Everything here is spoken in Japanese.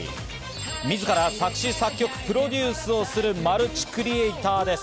自ら作詞・作曲・プロデュースをするマルチクリエイターです。